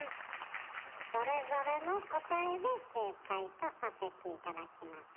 それぞれの答えで正解とさせて頂きます。